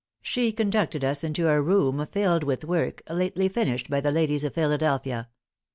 She conducted us into a room filled with work, lately finished by the ladies of Philadelphia.